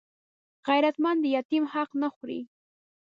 غیرتمند د یتیم حق نه خوړوي